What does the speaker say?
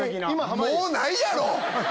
もうないやろ！